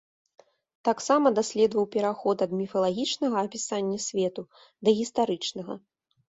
Таксама даследаваў пераход ад міфалагічнага апісання свету да гістарычнага.